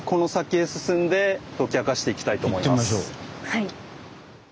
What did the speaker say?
はい。